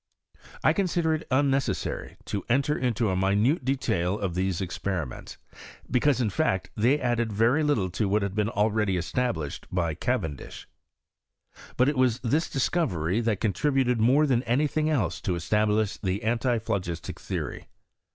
! consider it unneceasary to enter into a minute detail of these experiments, because, in fact, they added very little to what had been already established by Cavendish, But it was this discovery that contributed more than any thing else to establish the antiphlogistic theory.